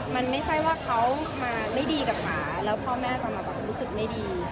มันไม่ใช่ว่าเขามาไม่ดีกับสาแล้วพ่อแม่จะมาแบบรู้สึกไม่ดี